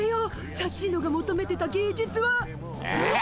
サッチーノがもとめてた芸術は！えっ？